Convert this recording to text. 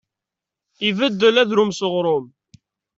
Ibeddel adrum s uɣrum.